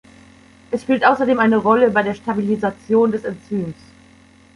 Es spielt außerdem eine Rolle bei der Stabilisation des Enzyms.